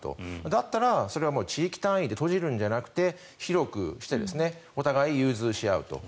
だったら、それは地域単位で閉じるんじゃなくて広くしてお互い、融通し合う。